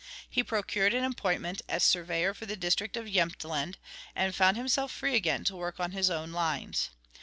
He procured an appointment as surveyor for the district of Jemtland, and found himself free again to work on his own lines.